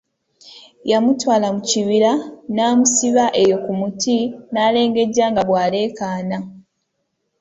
Yamutwala mu kibira n'amusiba eyo ku muti n'alengejja nga bw'aleekaana.